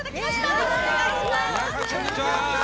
よろしくお願いします。